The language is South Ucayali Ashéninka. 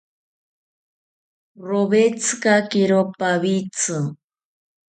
Rowetzikakiro pawitzi